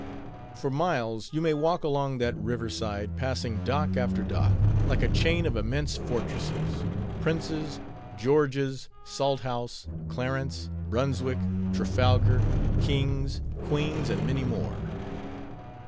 For miles you may walk along that river side, passing dock after dock, like a chain of immense fortresses:—Prince's, George's, Salt House, Clarence, Brunswick, Trafalgar, King's, Queen's, and many more.